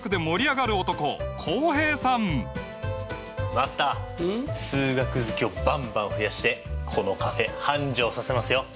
マスター数学好きをバンバン増やしてこのカフェ繁盛させますよ。